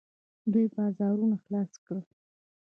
دوی بازارونه خلاص کړل.